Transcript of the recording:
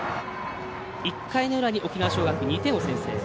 １回の裏に沖縄尚学、２点を先制。